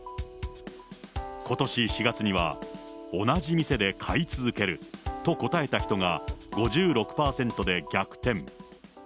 ことし４月には、同じ店で買い続けると答えた人が５６％で逆転。